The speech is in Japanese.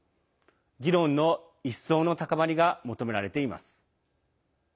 議論の一層の高まりが求められています。